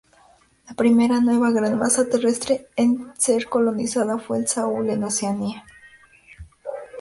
La primera nueva gran masa terrestre en ser colonizada fue el Sahul, en Oceanía.